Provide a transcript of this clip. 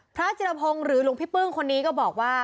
พระจิรพงศ์หรือหลวงพี่ปึ้งคนนี้ก็บอกว่า